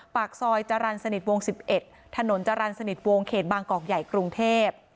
ปากซอยจรรสนิษฐ์วงสิบเอ็ดถนนจรรสนิษฐ์วงเขตบางกอกใหญ่กรุงเทพ